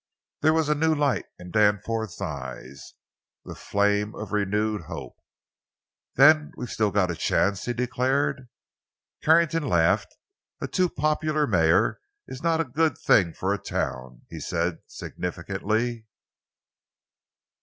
There was a new light in Danforth's eyes—the flame of renewed hope. "Then we've still got a chance," he declared. Carrington laughed. "A too popular mayor is not a good thing for a town," he said significantly.